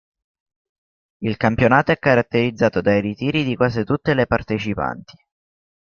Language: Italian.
Il Campionato è caratterizzato dai ritiri di quasi tutte le partecipanti.